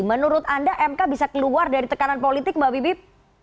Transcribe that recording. menurut anda mk bisa keluar dari tekanan politik mbak bibip